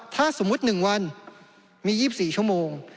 ถ้าสมมุติ๑วันมี๒๔ชั่วโมง